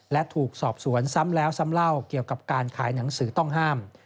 และถูกสอบสวนซ้ำแล้วซ้ำเล่าเกี่ยวกับการขายหนังสือต้องห้าม